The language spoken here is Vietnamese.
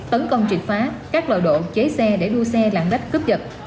tấn công triệt phá các loại độ chế xe để đua xe lạng đách cướp dật